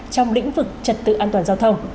trong lĩnh vực trật tự an toàn giao thông